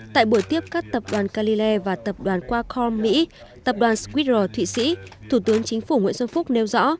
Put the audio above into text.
tại buổi tiếp các tập đoàn calilé và tập đoàn qualcomm mỹ tập đoàn squidro thụy sĩ thủ tướng chính phủ nguyễn xuân phúc nêu rõ